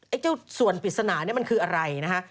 ไอ้เจ้าส่วนปริศนานี่มันคืออะไรนะฮะ